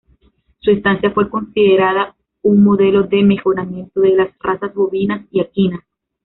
Su estancia fue considerada un modelo de mejoramiento de las razas bovinas y equinas.